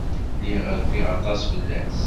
Lliɣ rfiɣ aṭas fell-as.